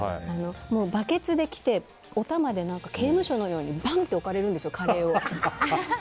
バケツで来て、おたまで刑務所のようにバンッて置かれるんですよ、カレーを。